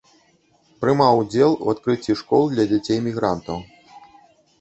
Прымаў удзел у адкрыцці школ для дзяцей мігрантаў.